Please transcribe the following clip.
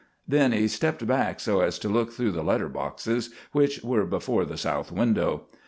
Then he stepped back so as to look through the letter boxes, which were before the south window.